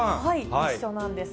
一緒なんです。